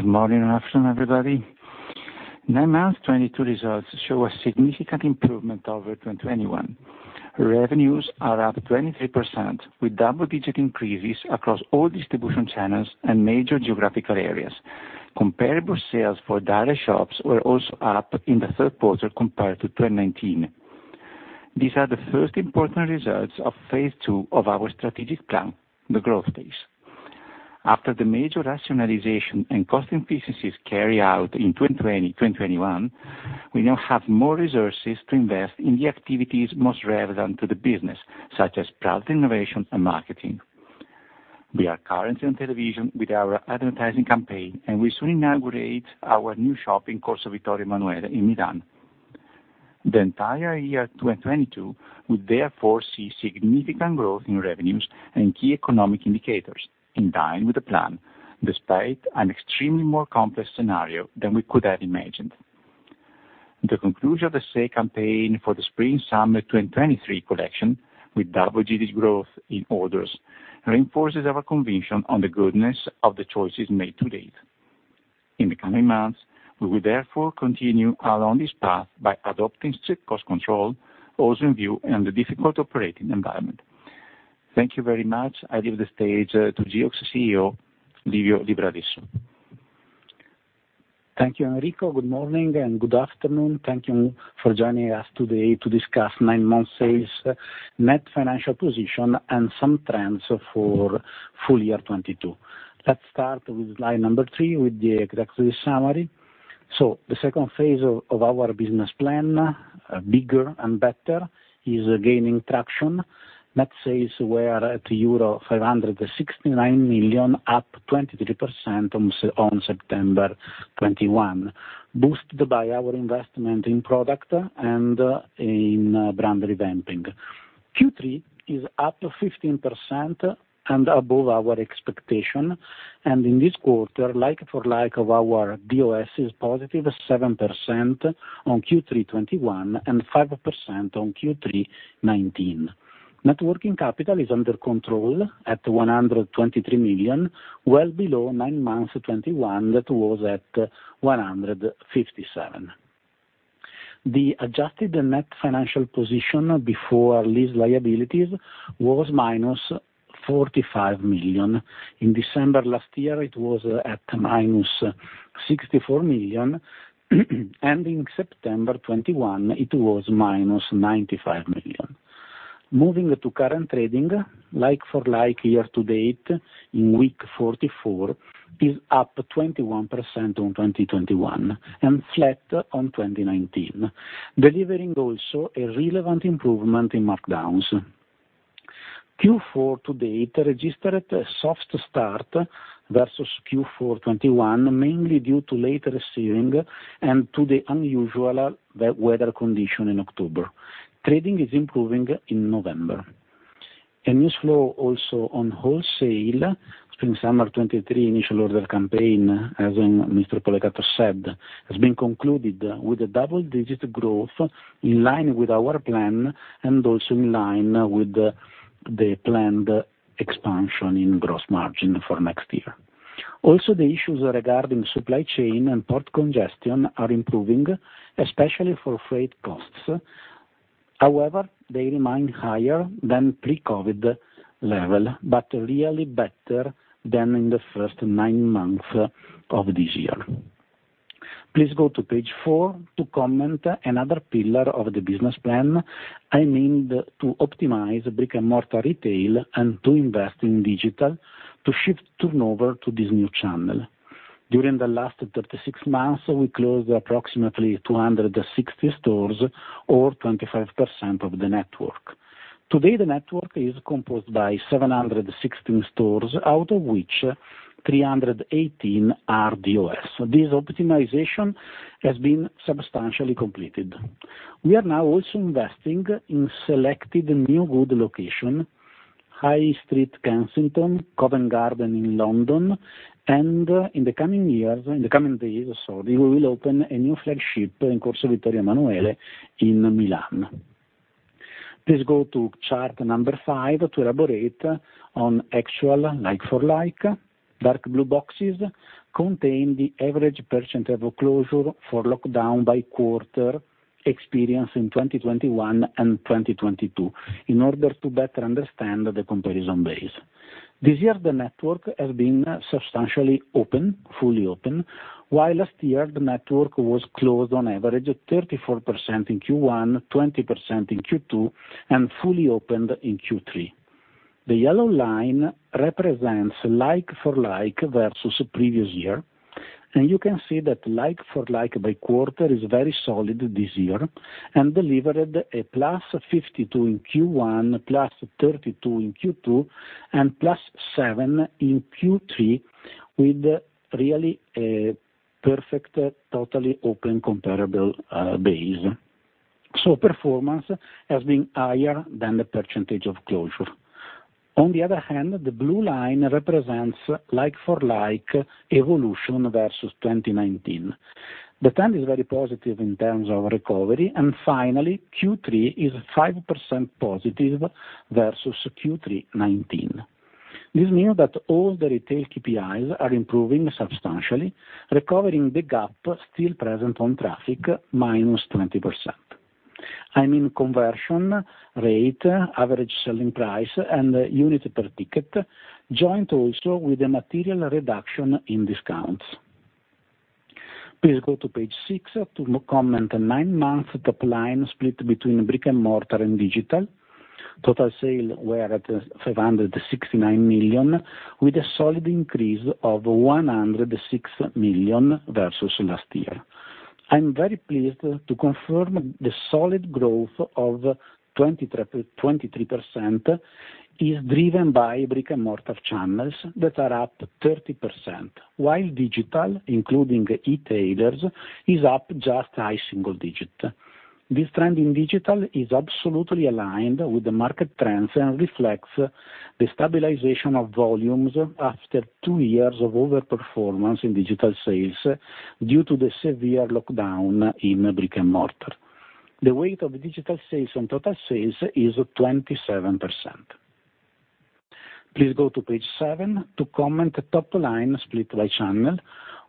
Good morning and afternoon, everybody. Nine months 2022 results show a significant improvement over 2021. Revenues are up 23% with double-digit increases across all distribution channels and major geographical areas. Comparable sales for the shops were also up in the third quarter compared to 2019. These are the first important results of phase two of our strategic plan, the growth phase. After the major rationalization and cost efficiencies carried out in 2020, 2021, we now have more resources to invest in the activities most relevant to the business, such as product innovation and marketing. We are currently on television with our advertising campaign, and we soon inaugurate our new shop in Corso Vittorio Emanuele in Milan. The entire year 2022 will therefore see significant growth in revenues and key economic indicators in line with the plan, despite an extremely more complex scenario than we could have imagined. The conclusion of the sale campaign for the Spring-Summer 2023 collection with double-digit growth in orders reinforces our conviction on the goodness of the choices made to date. In the coming months, we will therefore continue along this path by adopting strict cost control, also in view of the difficult operating environment. Thank you very much. I leave the stage to Geox CEO, Livio Libralesso. Thank you, Enrico. Good morning and good afternoon. Thank you for joining us today to discuss nine-month sales, net financial position, and some trends for full year 2022. Let's start with slide number three with the executive summary. The second phase of our business plan, Bigger and Better, is gaining traction. Net sales were at euro 569 million, up 23% on September 2021, boosted by our investment in product and in brand revamping. Q3 is up 15% and above our expectation, and in this quarter like-for-like of our DOS is +7% on Q3 2021 and 5% on Q3 2019. Net working capital is under control at 123 million, well below nine months 2021 that was at 157 million. The adjusted net financial position before lease liabilities was -45 million. In December last year, it was at -64 million. In September 2021, it was -95 million. Moving to current trading, like-for-like year to date in week 44 is up 21% on 2021 and flat on 2019, delivering also a relevant improvement in markdowns. Q4 to date registered a soft start versus Q4 2021, mainly due to late receiving and to the unusual weather condition in October. Trading is improving in November. Now, also on wholesale Spring-Summer 2023 initial order campaign, as Mr. Polegato said, has been concluded with double-digit growth in line with our plan and also in line with the planned expansion in gross margin for next year. The issues regarding supply chain and port congestion are improving, especially for freight costs. However, they remain higher than pre-COVID level, but really better than in the first nine months of this year. Please go to page four to comment another pillar of the business plan. I mean to optimize brick-and-mortar retail and to invest in digital to shift turnover to this new channel. During the last 36 months, we closed approximately 260 stores or 25% of the network. Today, the network is composed by 716 stores, out of which 318 are DOS. This optimization has been substantially completed. We are now also investing in selected new good location, High Street Kensington, Covent Garden in London, and in the coming days, sorry, we will open a new flagship in Corso Vittorio Emanuele in Milan. Please go to chart number five to elaborate on actual like-for-like. Dark blue boxes contain the average percentage of closure for lockdown by quarter experienced in 2021 and 2022 in order to better understand the comparison base. This year, the network has been substantially open, fully open. While last year, the network was closed on average 34% in Q1, 20% in Q2, and fully opened in Q3. The yellow line represents like-for-like versus previous year, and you can see that like-for-like by quarter is very solid this year and delivered a +52 in Q1, +32 in Q2, and +7 in Q3 with really a perfect totally open comparable, base. Performance has been higher than the percentage of closure. On the other hand, the blue line represents like-for-like evolution versus 2019. The trend is very positive in terms of recovery. Finally, Q3 is 5%+ versus Q3 2019. This means that all the retail KPIs are improving substantially, recovering the gap still present on traffic -20%. I mean conversion rate, average selling price, and units per transaction, joined also with a material reduction in discounts. Please go to page six to comment nine months top line split between brick-and-mortar and digital. Total sales were at 569 million, with a solid increase of 106 million versus last year. I'm very pleased to confirm the solid growth of 23% is driven by brick-and-mortar channels that are up 30%, while digital, including e-tailers, is up just high single digit. This trend in digital is absolutely aligned with the market trends and reflects the stabilization of volumes after two years of overperformance in digital sales due to the severe lockdown in brick-and-mortar. The weight of digital sales on total sales is 27%. Please go to page seven to comment on the top-line split by channel.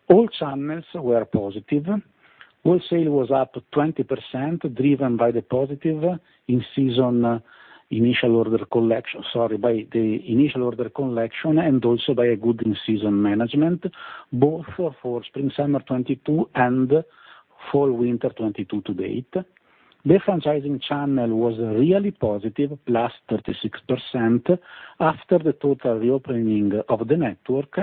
All channels were positive. Wholesale was up 20%, driven by the initial order collection and also by a good in-season management, both for Spring-Summer 2022 and Fall-Winter 2022 to date. The franchising channel was really positive, +36%, after the total reopening of the network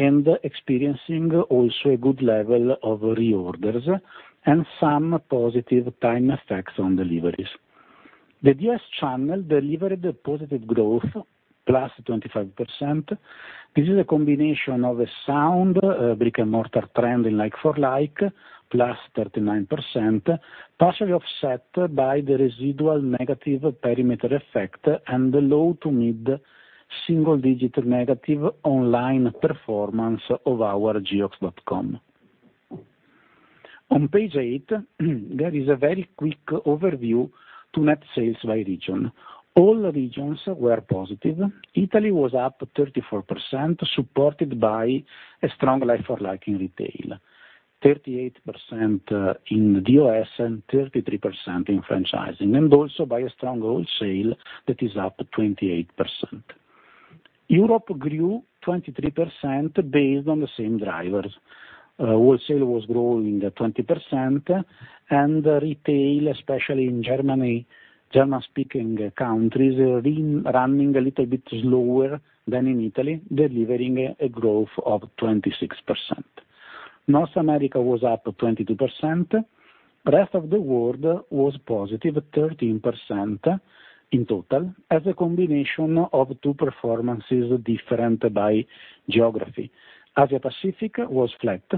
and experiencing also a good level of reorders and some positive time effects on deliveries. The DOS channel delivered a positive growth, +25%. This is a combination of a sound brick-and-mortar trend in like-for-like +39%, partially offset by the residual negative perimeter effect and the low-to-mid single-digit negative online performance of our Geox.com. On page eight there is a very quick overview to net sales by region. All regions were positive. Italy was up 34%, supported by a strong like-for-like in retail, 38% in DOS and 33% in franchising, and also by a strong wholesale that is up 28%. Europe grew 23% based on the same drivers. Wholesale was growing at 20%, and retail, especially in Germany, German-speaking countries, running a little bit slower than in Italy, delivering a growth of 26%. North America was up 22%. Rest of the World was +13% in total, as a combination of two performances different by geography. Asia Pacific was flat,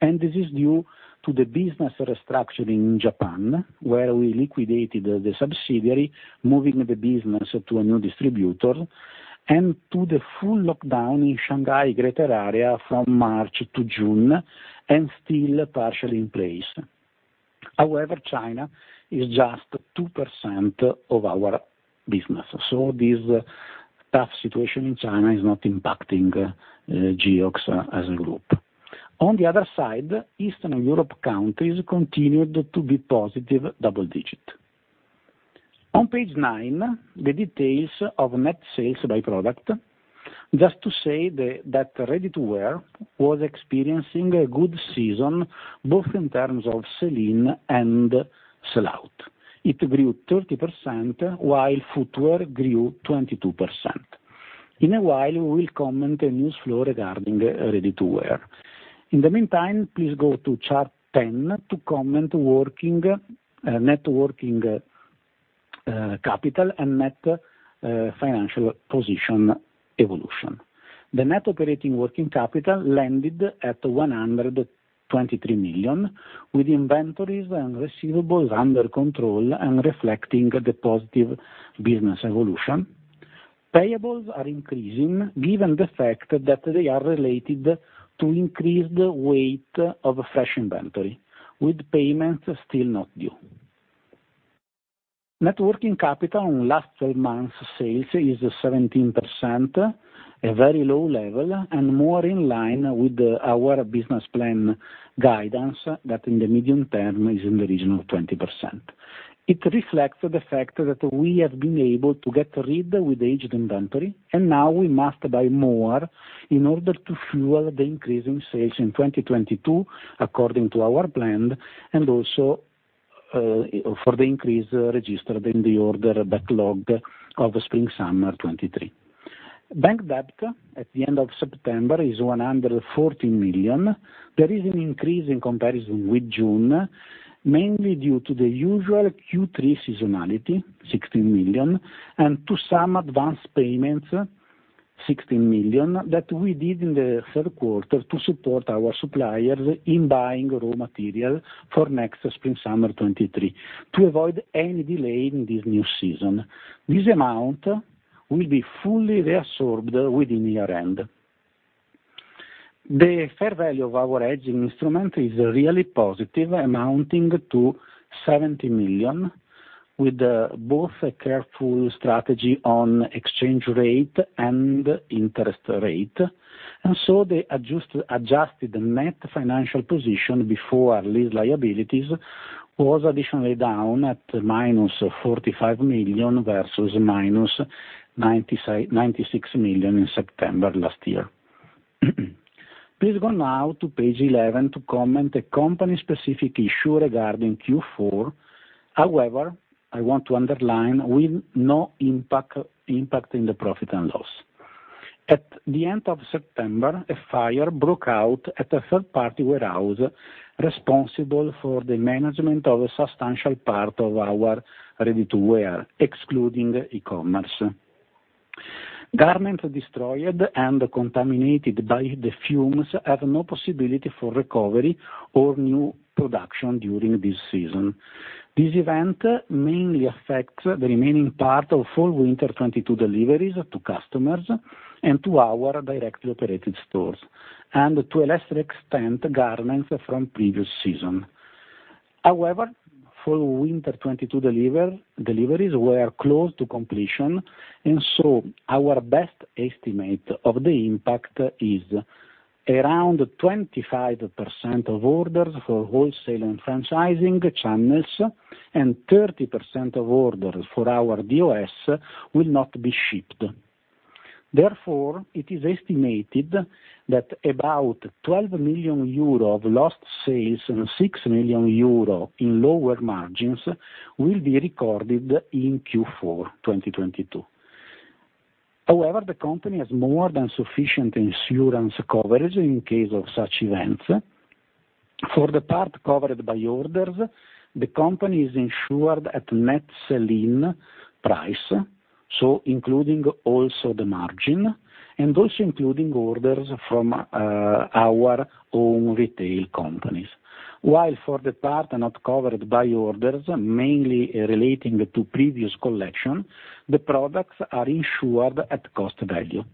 and this is due to the business restructuring in Japan, where we liquidated the subsidiary, moving the business to a new distributor, and to the full lockdown in Shanghai greater area from March-June, and still partially in place. However, China is just 2% of our business. This tough situation in China is not impacting Geox as a group. On the other side, Eastern Europe countries continued to be positive double digit. On page nine, the details of net sales by product. Just to say that ready-to-wear was experiencing a good season, both in terms of sell-in and sell-out. It grew 30%, while footwear grew 22%. In a while, we'll comment the news flow regarding ready-to-wear. In the meantime, please go to chart 10 to comment working net working capital and net financial position evolution. The net working capital landed at 123 million, with inventories and receivables under control and reflecting the positive business evolution. Payables are increasing given the fact that they are related to increased weight of fresh inventory, with payments still not due. Net working capital on last 12 months' sales is 17%, a very low level and more in line with our business plan guidance that in the medium term is in the region of 20%. It reflects the fact that we have been able to get rid with aged inventory, and now we must buy more in order to fuel the increase in sales in 2022 according to our plan and also for the increase registered in the order backlog of Spring-Summer 2023. Bank debt at the end of September is 114 million. There is an increase in comparison with June, mainly due to the usual Q3 seasonality, 16 million, and to some advanced payments, 16 million, that we did in the third quarter to support our suppliers in buying raw material for next Spring-Summer 2023 to avoid any delay in this new season. This amount will be fully reabsorbed within year-end. The fair value of our hedging instrument is really positive, amounting to 70 million, with both a careful strategy on exchange rate and interest rate. The adjusted net financial position before our lease liabilities was additionally down at -45 million versus -96 million in September last year. Please go now to page 11 to comment on a company-specific issue regarding Q4. However, I want to underline with no impact in the profit and loss. At the end of September, a fire broke out at a third party warehouse responsible for the management of a substantial part of our ready-to-wear, excluding e-commerce. Garments destroyed and contaminated by the fumes have no possibility for recovery or new production during this season. This event mainly affects the remaining part of Fall-Winter 2022 deliveries to customers and to our directly operated stores, and to a lesser extent, garments from previous season. However, Fall-Winter 2022 deliveries were close to completion, and so our best estimate of the impact is around 25% of orders for wholesale and franchising channels, and 30% of orders for our DOS will not be shipped. Therefore, it is estimated that about 12 million euro of lost sales and 6 million euro in lower margins will be recorded in Q4 of 2022. However, the company has more than sufficient insurance coverage in case of such events. For the part covered by orders, the company is insured at net selling price, so including also the margin, and also including orders from our own retail companies. While for the part not covered by orders, mainly relating to previous collection, the products are insured at cost value.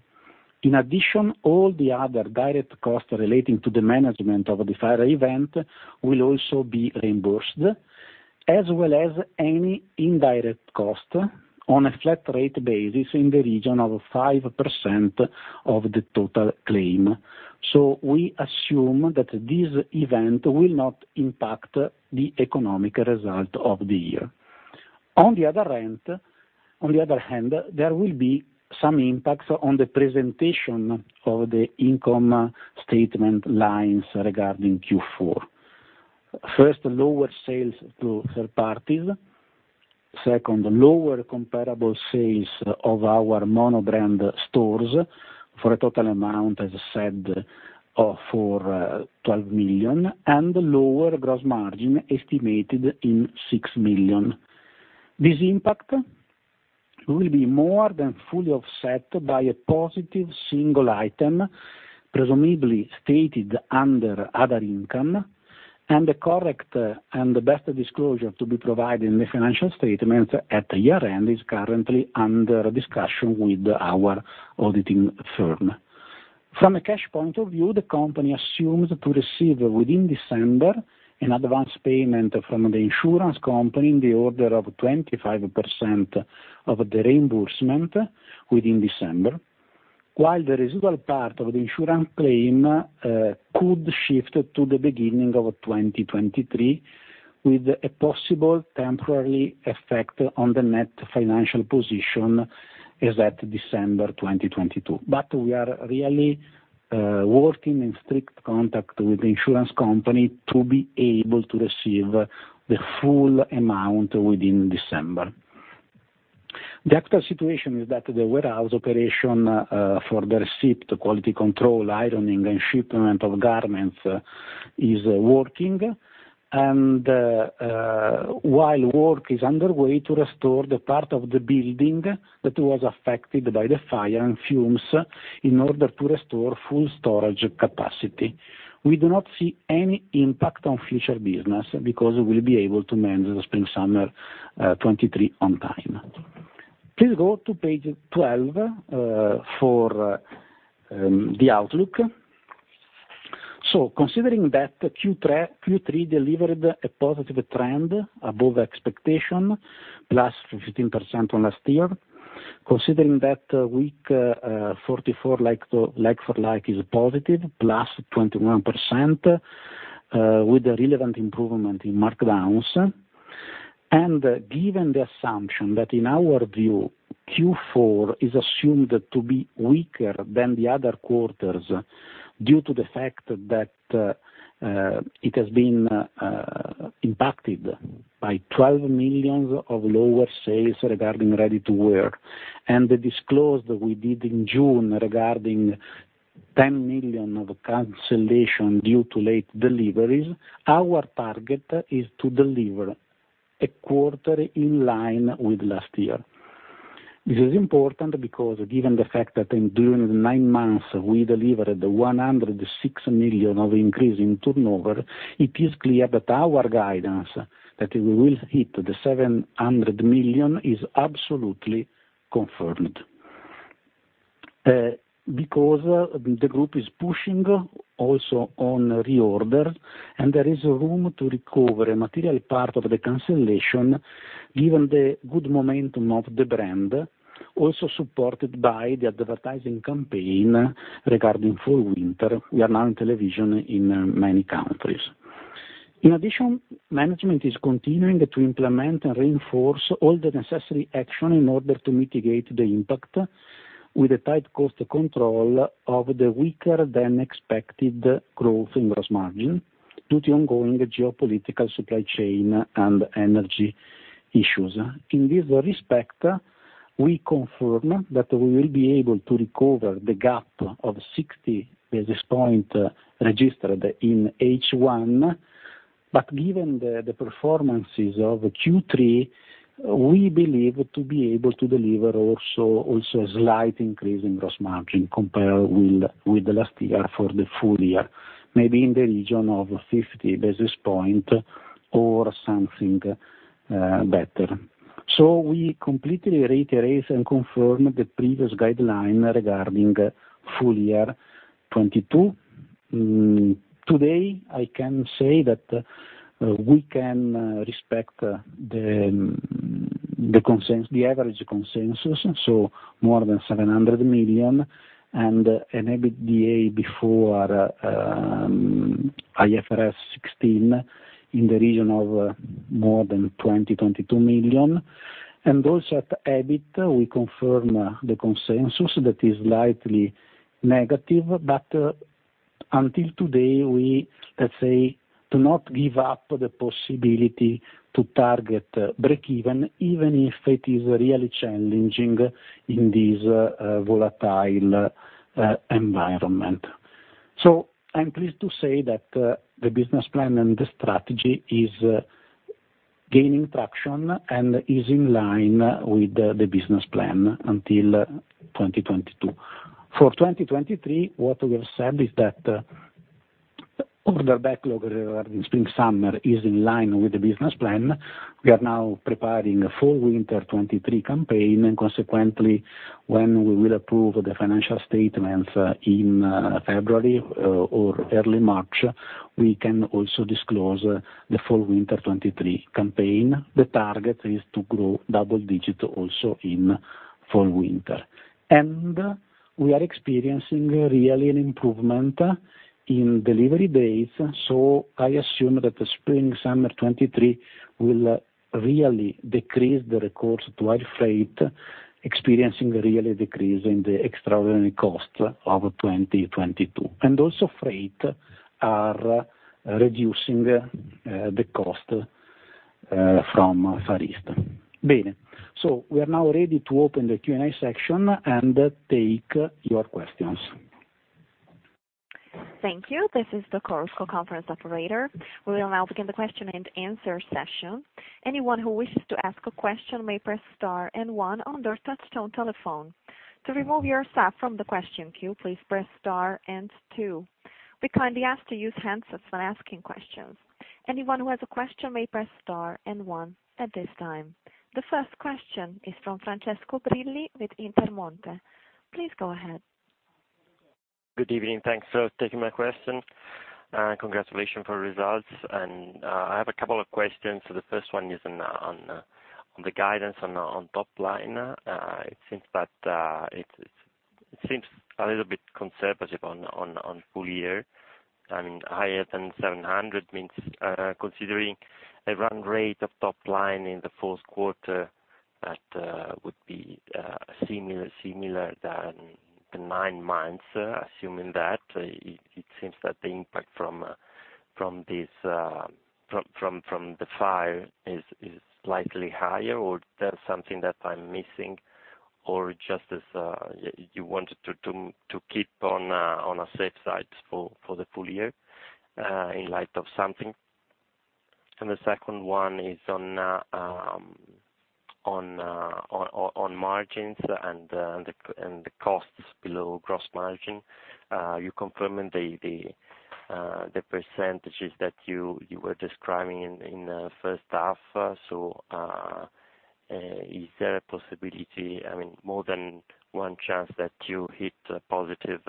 In addition, all the other direct costs relating to the management of the fire event will also be reimbursed, as well as any indirect cost on a flat rate basis in the region of 5% of the total claim. We assume that this event will not impact the economic result of the year. On the other hand, there will be some impacts on the presentation of the income statement lines regarding Q4. First, lower sales to third parties. Second, lower comparable sales of our mono-brand stores for a total amount, as I said, of 12 million, and lower gross margin estimated in 6 million. This impact will be more than fully offset by a positive single item, presumably stated under other income, and the correct and the best disclosure to be provided in the financial statement at year-end is currently under discussion with our auditing firm. From a cash point of view, the company assumes to receive within December an advance payment from the insurance company in the order of 25% of the reimbursement within December, while the residual part of the insurance claim could shift to the beginning of 2023 with a possible temporary effect on the net financial position as at December 2022. We are really working in strict contact with the insurance company to be able to receive the full amount within December. The actual situation is that the warehouse operation for the receipt, quality control, ironing, and shipment of garments is working, and while work is underway to restore the part of the building that was affected by the fire and fumes in order to restore full storage capacity. We do not see any impact on future business because we'll be able to manage the Spring-Summer 2023 on time. Please go to page 12 for the outlook. Considering that Q3 delivered a positive trend above expectation, +15% on last year, considering that week 44, like-for-like is positive, +21%, with a relevant improvement in markdowns, and given the assumption that in our view, Q4 is assumed to be weaker than the other quarters due to the fact that it has been impacted by 12 million of lower sales regarding ready-to-wear, and the disclosure that we did in June regarding 10 million of cancellation due to late deliveries, our target is to deliver a quarter in line with last year. This is important because given the fact that during the nine months, we delivered 106 million increase in turnover, it is clear that our guidance that we will hit 700 million is absolutely confirmed. Because the group is pushing also on reorder, and there is room to recover a material part of the cancellation given the good momentum of the brand, also supported by the advertising campaign regarding Fall-Winter. We are now on television in many countries. In addition, management is continuing to implement and reinforce all the necessary action in order to mitigate the impact with a tight cost control of the weaker than expected growth in gross margin due to ongoing geopolitical supply chain and energy issues. In this respect, we confirm that we will be able to recover the gap of 60 basis points registered in H1. Given the performances of Q3, we believe to be able to deliver also a slight increase in gross margin compared with the last year for the full year, maybe in the region of 50 basis points or something better. We completely reiterate and confirm the previous guideline regarding full year 2022. Today, I can say that we can respect the average consensus, so more than 700 million and an EBITDA before IFRS 16 in the region of more than 22 million. Also at EBIT, we confirm the consensus that is slightly negative. Until today, we let's say do not give up the possibility to target break even if it is really challenging in this volatile environment. I'm pleased to say that the business plan and the strategy is gaining traction and is in line with the business plan until 2022. For 2023, what we have said is that order backlog regarding Spring-Summer is in line with the business plan. We are now preparing a Fall-Winter 2023 campaign. Consequently, when we will approve the financial statements in February or early March, we can also disclose the Fall-Winter 2023 campaign. The target is to grow double-digit also in Fall-Winter. We are experiencing really an improvement in delivery days. I assume that the Spring-Summer 2023 will really decrease the recourse to air freight, experiencing really decrease in the extraordinary cost of 2022. Also, freight are reducing the cost from Far East. Bene. We are now ready to open the Q&A section and take your questions. Thank you. This is the Chorus Call conference operator. We will now begin the Q&A session. Anyone who wishes to ask a question may press star and one on their touch-tone telephone. To remove yourself from the question queue, please press star and two. We kindly ask to use handsets when asking questions. Anyone who has a question may press star and one at this time. The first question is from Francesco Brilli with Intermonte. Please go ahead. Good evening. Thanks for taking my question, and congratulations for results. I have a couple of questions. The first one is on the guidance on top line. It seems a little bit conservative on full year, and higher than 700 million, considering a run rate of top line in the fourth quarter, that would be similar than the nine months. Assuming that, it seems that the impact from this fire is slightly higher, or there's something that I'm missing or just as you wanted to keep on a safe side for the full year in light of something? The second one is on margins and the costs below gross margin. You confirm in the percentages that you were describing in the first half. Is there a possibility, I mean, more than one chance that you hit a positive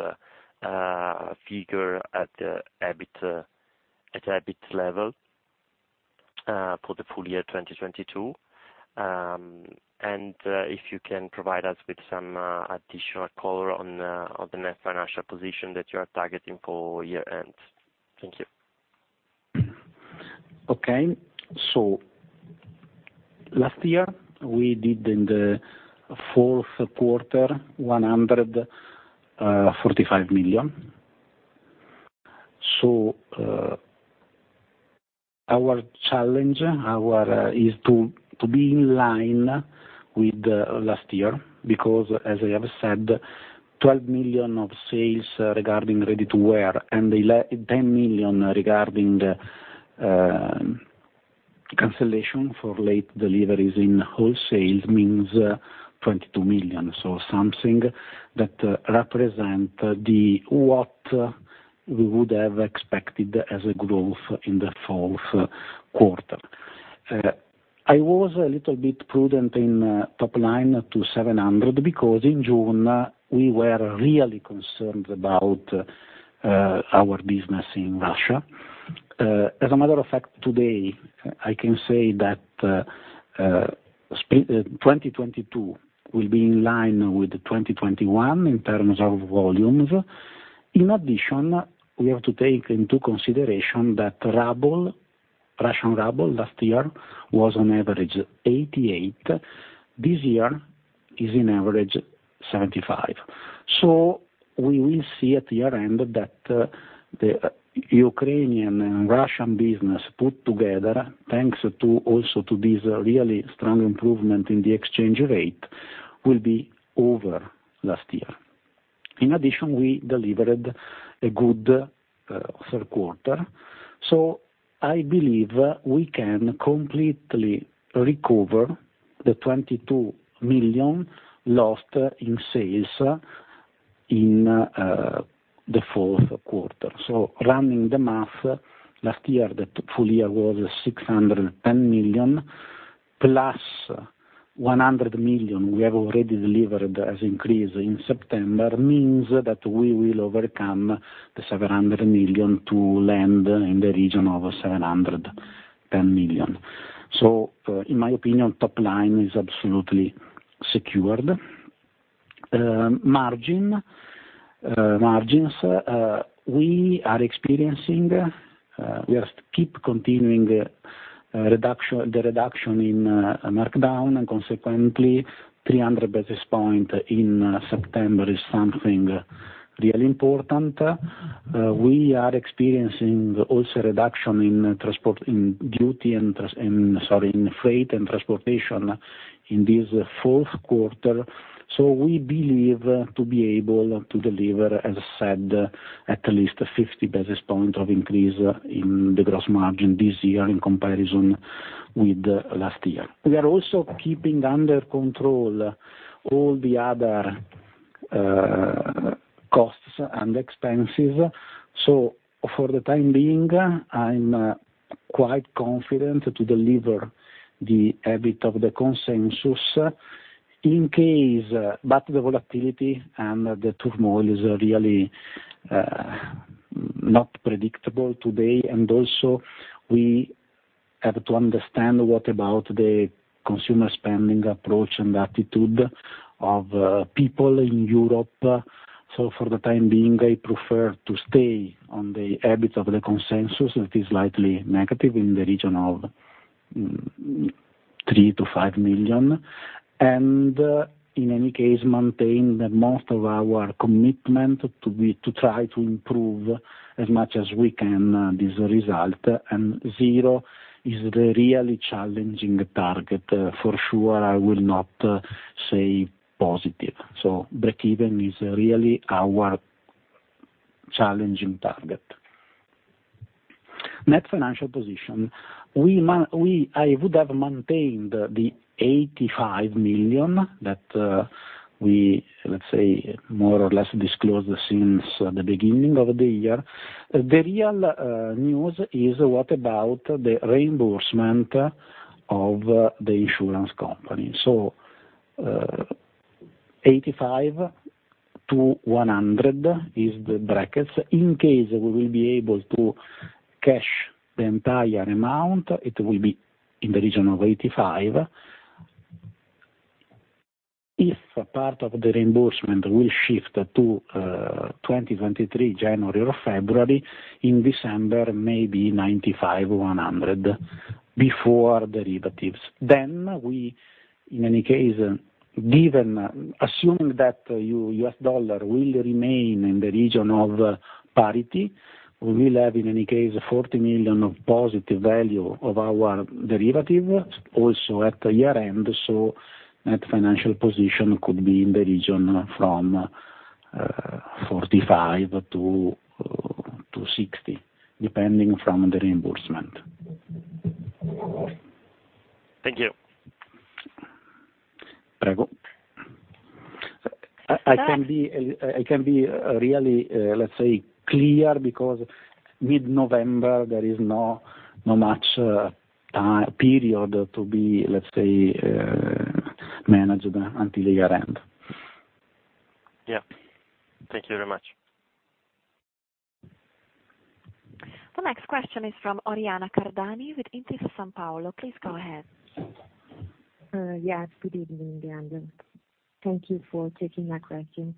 figure at the EBIT level for the full year 2022? If you can provide us with some additional color on the net financial position that you are targeting for year-end. Thank you. Last year, we did in the fourth quarter 145 million. Our challenge is to be in line with last year because as I have said, 12 million of sales regarding ready-to-wear and ten million regarding the cancellation for late deliveries in wholesale means 22 million. Something that represents what we would have expected as a growth in the fourth quarter. I was a little bit prudent in top line to 700 million because in June, we were really concerned about our business in Russia. As a matter of fact, today I can say that 2022 will be in line with 2021 in terms of volumes. In addition, we have to take into consideration that ruble, Russian ruble last year was on average 88. This year is on average 75. We will see at the year-end that the Ukrainian and Russian business put together, thanks to also to this really strong improvement in the exchange rate, will be over last year. In addition, we delivered a good third quarter, so I believe we can completely recover the 22 million lost in sales in the fourth quarter. Running the math, last year the full year was 610 million plus 100 million we have already delivered as increase in September, means that we will overcome the 700 million to land in the region of 710 million. In my opinion, top line is absolutely secured. Margins, we are experiencing continuing reduction in markdown and consequently 300 basis points in September is something really important. We are experiencing also a reduction in freight and transportation in this fourth quarter. We believe to be able to deliver, as I said, at least 50 basis points of increase in the gross margin this year in comparison with last year. We are also keeping under control all the other costs and expenses. For the time being, I'm quite confident to deliver the EBIT of the consensus. The volatility and the turmoil is really not predictable today. Also we have to understand what about the consumer spending approach and attitude of people in Europe. For the time being, I prefer to stay on the EBIT of the consensus that is slightly negative in the region of 3 million-5 million. In any case, maintain the most of our commitment to try to improve as much as we can this result, and zero is the really challenging target. For sure I will not say positive. Breakeven is really our challenging target. Net financial position. I would have maintained the 85 million that we, let's say, more or less disclosed since the beginning of the year. The real news is what about the reimbursement of the insurance company. 85-100 is the brackets. In case we will be able to cash the entire amount, it will be in the region of 85 million. If a part of the reimbursement will shift to 2023, January or February, in December, maybe 95-100 before derivatives. We, in any case, assuming that U.S. dollar will remain in the region of parity, will have, in any case, 40 million of positive value of our derivative also at the year-end. Net financial position could be in the region from 45-60, depending on the reimbursement. Thank you. Prego. I can be really, let's say, clear, because mid-November there is not much time period to be, let's say, managed until year-end. Yeah. Thank you very much. The next question is from Oriana Cardani with Intesa Sanpaolo. Please go ahead. Yes, good evening again. Thank you for taking my question.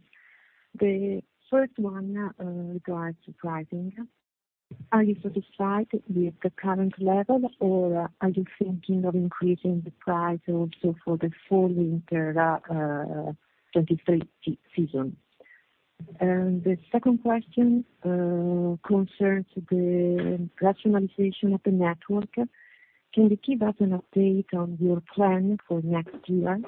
The first one regards to pricing. Are you satisfied with the current level or are you thinking of increasing the price also for the Fall-Winter 2023 season? The second question concerns the rationalization of the network. Can you give us an update on your plan for next year?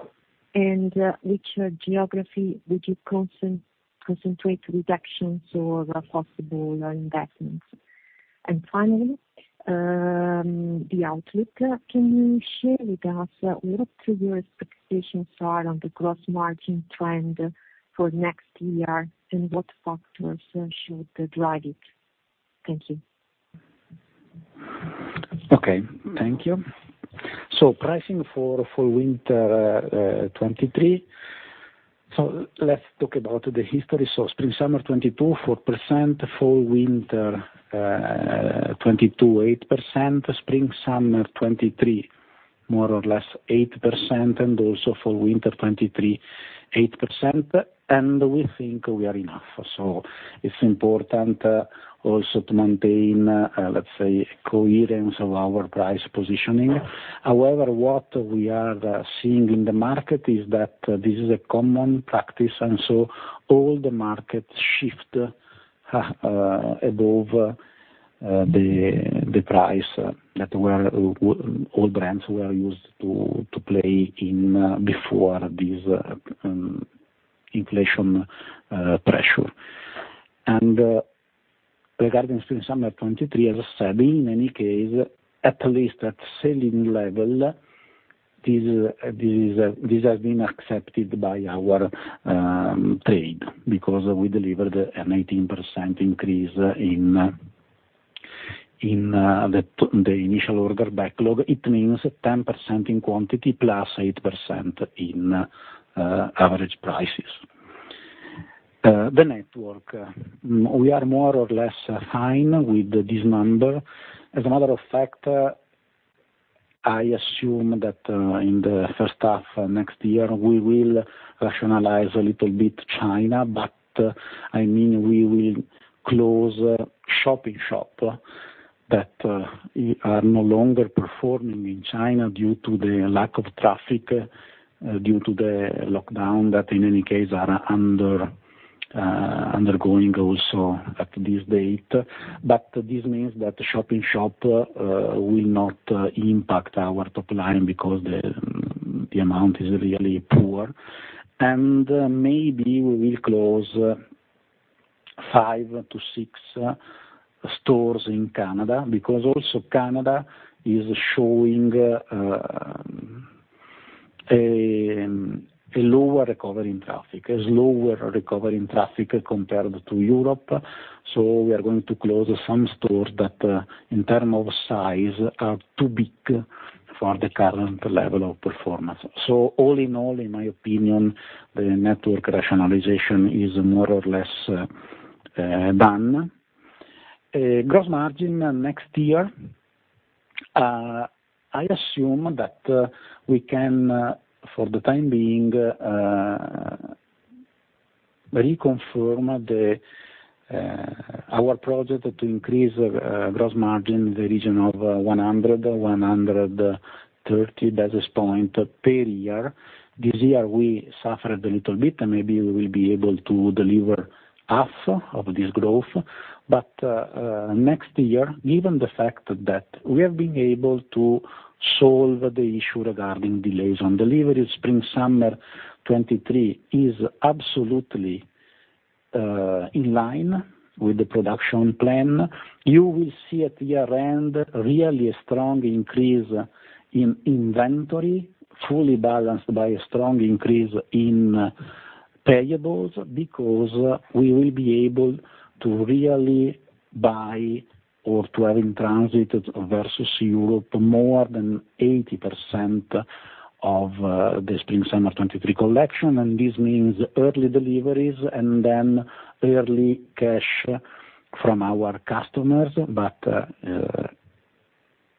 Which geography would you concentrate reductions or possible investments? Finally, the outlook. Can you share with us what your expectations are on the gross margin trend for next year and what factors should drive it? Thank you. Okay. Thank you. Pricing for Fall-Winter 2023. Let's talk about the history. Spring-Summer 2022, 4%. Fall-Winter 2022, 8%. Spring-Summer 2023, more or less 8%, and also Fall-Winter 2023, 8%. We think we are enough. It's important also to maintain, let's say, coherence of our price positioning. However, what we are seeing in the market is that this is a common practice, and so all the markets shift above the price that all brands were used to play in before this inflation pressure. Regarding Spring-Summer 2023, as I said, in any case, at least at the sell-in level, this has been accepted by our trade because we delivered an 18% increase in the initial order backlog. It means 10% in quantity plus 8% in average prices. The network. We are more or less fine with this number. As a matter of fact, I assume that in the first half of next year, we will rationalize a little bit in China, but I mean, we will close shops that are no longer performing in China due to the lack of traffic due to the lockdown that in any case are undergoing also at this date. This means that the shop-in-shop will not impact our top line because the amount is really poor. Maybe we will close five-six stores in Canada because Canada is also showing a lower recovery in traffic compared to Europe. We are going to close some stores that in terms of size are too big for the current level of performance. All in all, in my opinion, the network rationalization is more or less done. Gross margin next year, I assume that we can for the time being reconfirm our project to increase gross margin in the region of 100 basis points-130 basis points per year. This year, we suffered a little bit, and maybe we will be able to deliver half of this growth. Next year, given the fact that we have been able to solve the issue regarding delays on delivery, Spring-Summer 2023 is absolutely in line with the production plan. You will see at year-end really a strong increase in inventory, fully balanced by a strong increase in payables, because we will be able to really buy or to have in transit versus Europe more than 80% of the Spring-Summer 2023 collection, and this means early deliveries and then early cash from our customers, but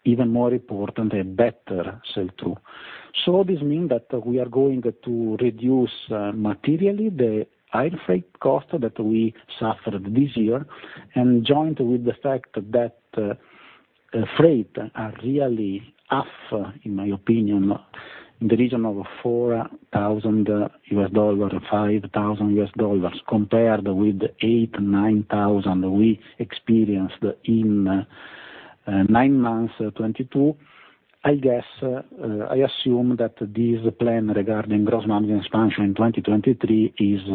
even more importantly, a better sell through. This means that we are going to reduce materially the air freight cost that we suffered this year, and joined with the fact that freight are really half, in my opinion, in the region of $4,000-$5,000 compared with $8,000-$9,000 we experienced in nine months 2022. I guess I assume that this plan regarding gross margin expansion in 2023 is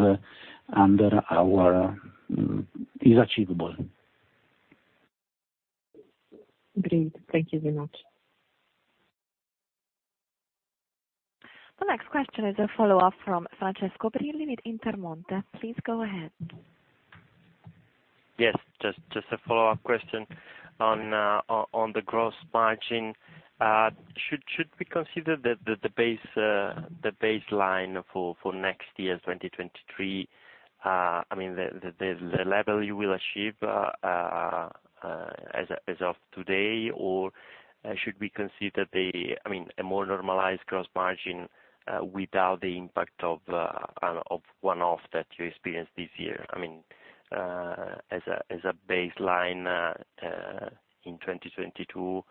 achievable. Great. Thank you very much. The next question is a follow-up from Francesco Brilli with Intermonte. Please go ahead. Yes. Just a follow-up question on the gross margin. Should we consider the baseline for next year, 2023, I mean, the level you will achieve as of today? Or should we consider, I mean, a more normalized gross margin without the impact of one-off that you experienced this year? I mean, as a baseline in 2022,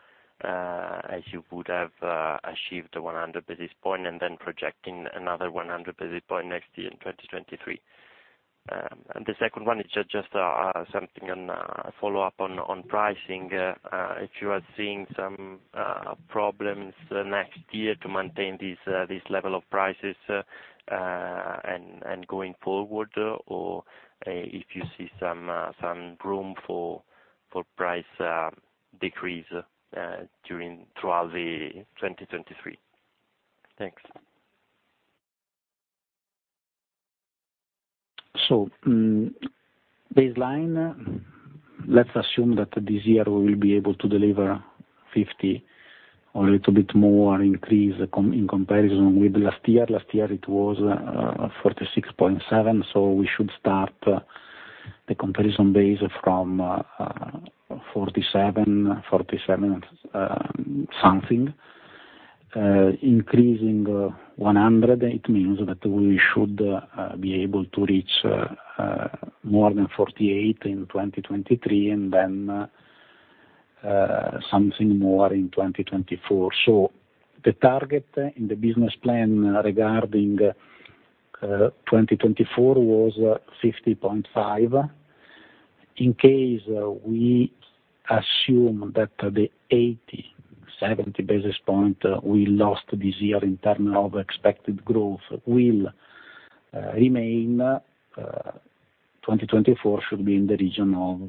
as you would have achieved 100 basis points and then projecting another 100 basis points next year in 2023. The second one is just something on a follow-up on pricing. If you are seeing some problems next year to maintain this level of prices and going forward, or if you see some room for price decrease throughout 2023? Thanks. Baseline, let's assume that this year we will be able to deliver 50 or a little bit more increase in comparison with last year. Last year, it was 46.7, so we should start the comparison base from 47, something. Increasing 100, it means that we should be able to reach more than 48 in 2023, and then something more in 2024. The target in the business plan regarding 2024 was 50.5. In case we assume that the 87 basis points we lost this year in terms of expected growth will remain, 2024 should be in the region of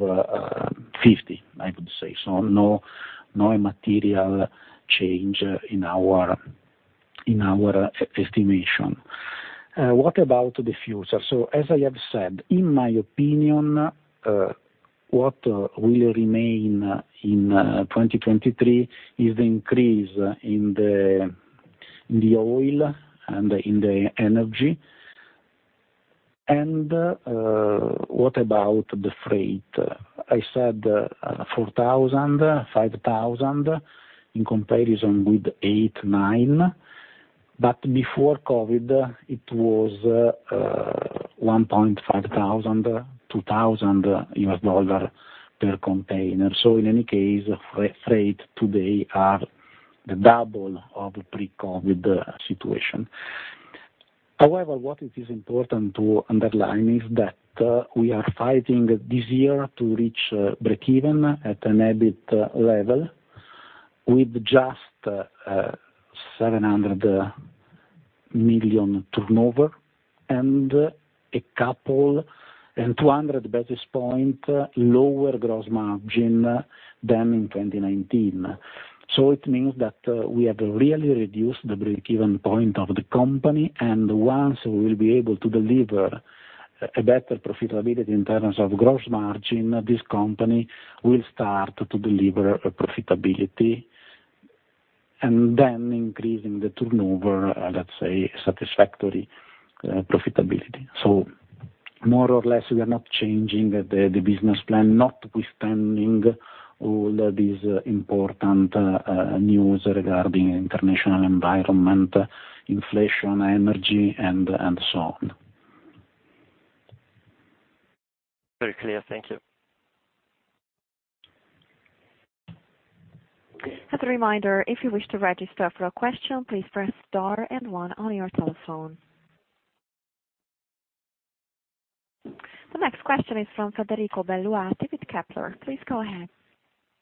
50, I would say. No material change in our estimation. What about the future? As I have said, in my opinion, what will remain in 2023 is the increase in the oil and in the energy. What about the freight? I said $4,000-$5,000 in comparison with $8,000-$9,000. Before COVID, it was $1,500-$2,000 per container. In any case, freight today are the double of pre-COVID situation. However, what it is important to underline is that we are fighting this year to reach breakeven at an EBIT level with just 700 million turnover and two hundred basis point lower gross margin than in 2019. It means that we have really reduced the breakeven point of the company. Once we will be able to deliver a better profitability in terms of gross margin, this company will start to deliver a profitability, and then increasing the turnover, let's say, satisfactory profitability. More or less, we are not changing the business plan, notwithstanding all these important news regarding international environment, inflation, energy, and so on. Very clear. Thank you. As a reminder, if you wish to register for a question, please press star and one on your telephone. The next question is from Federico Belluati, Kepler Cheuvreux. Please go ahead.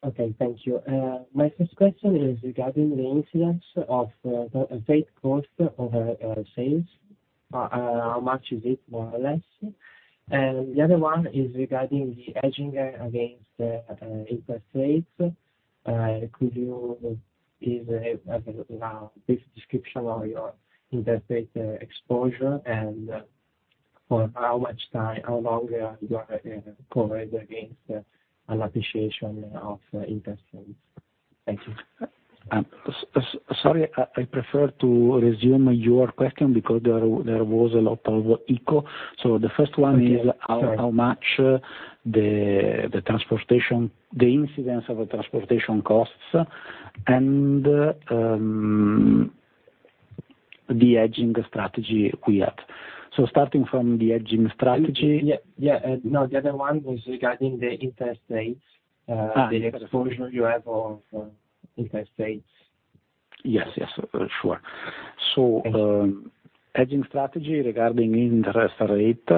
Okay, thank you. My first question is regarding the incidence of the freight cost over sales. How much is it, more or less? The other one is regarding the hedging against interest rates. Could you give a brief description of your interest rate exposure and for how much time, how long you are gonna covered against an appreciation of interest rates? Thank you. Sorry, I prefer to resume your question because there was a lot of echo. The first one is Okay. Sure. How much the incidence of transportation costs and the hedging strategy we have. Starting from the hedging strategy. Yeah, yeah. No, the other one was regarding the interest rates. The exposure you have to interest rates. Yes, yes, sure. Thank you. Hedging strategy regarding interest rate,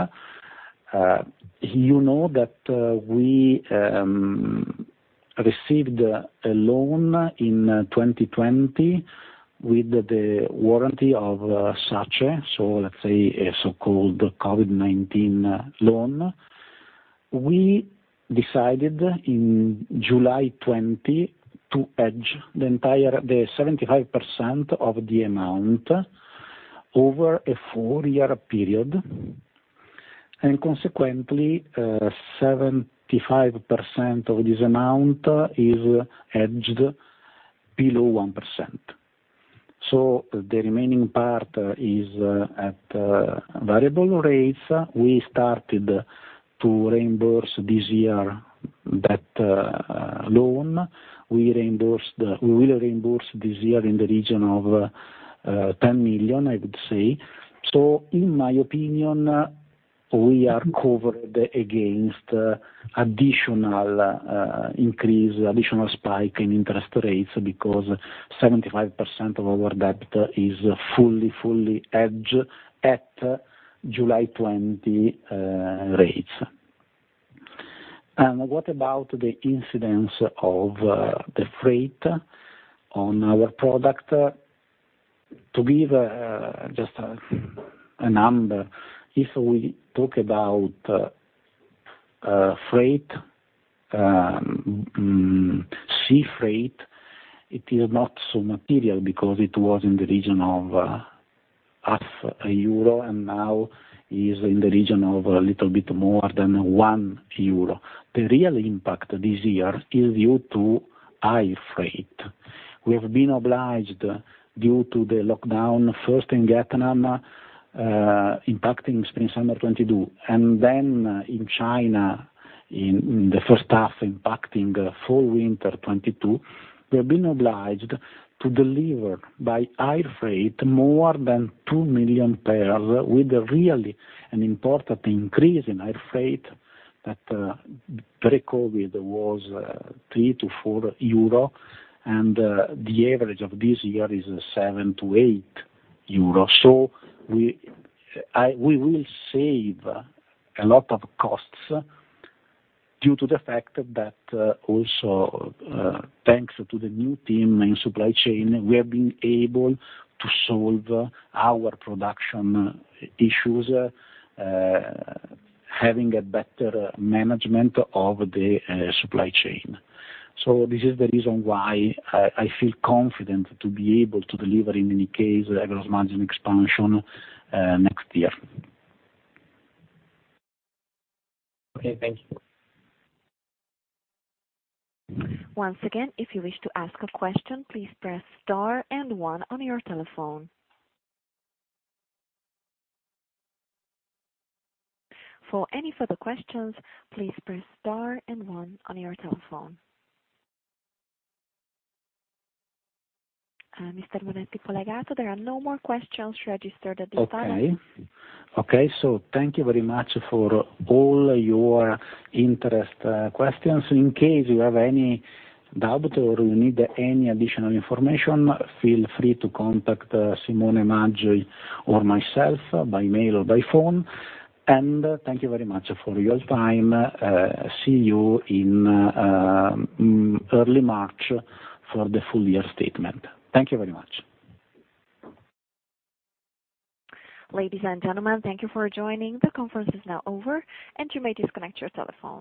you know that we received a loan in 2020 with the guarantee of SACE, so let's say a so-called COVID-19 loan. We decided in July 2020 to hedge the 75% of the amount over a four-year period. Consequently, 75% of this amount is hedged below 1%. The remaining part is at variable rates. We started to reimburse this year that loan. We will reimburse this year in the region of 10 million, I would say. In my opinion, we are covered against additional increase, additional spike in interest rates because 75% of our debt is fully hedged at July 2020 rates. What about the incidence of the freight on our product? To give just a number, if we talk about freight, sea freight, it is not so material because it was in the region of half a EUR and now is in the region of a little bit more than 1 euro. The real impact this year is due to air freight. We have been obliged due to the lockdown first in Vietnam, impacting Spring-Summer 2022, and then in China in the first half impacting Fall-Winter 2022. We have been obliged to deliver by air freight more than two million pairs with really an important increase in air freight that pre-COVID was 3-4 euro and the average of this year is 7-8 euro. We — We will save a lot of costs due to the fact that, also, thanks to the new team in supply chain, we have been able to solve our production issues, having a better management of the supply chain. This is the reason why I feel confident to be able to deliver in any case a gross margin expansion next year. Okay, thank you. Once again, if you wish to ask a question, please press star and one on your telephone. For any further questions, please press star and one on your telephone. Mr. Livio Libralesso, there are no more questions registered at this time. Okay. Thank you very much for all your interest, questions. In case you have any doubt or you need any additional information, feel free to contact Simone Maggi or myself by mail or by phone. Thank you very much for your time. See you in early March for the full year statement. Thank you very much. Ladies and gentlemen, thank you for joining. The conference is now over, and you may disconnect your telephones.